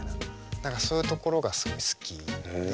何かそういうところがすごい好きで。